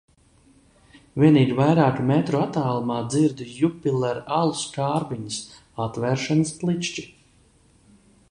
Vienīgi vairāku metru attālumā dzirdu Jupiler alus kārbiņas atvēršanas klikšķi.